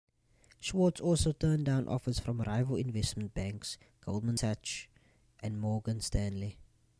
Schwartz also turned down offers from rival investment banks Goldman Sachs and Morgan Stanley.